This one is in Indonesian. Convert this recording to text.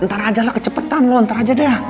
ntar aja lah kecepetan loh ntar aja deh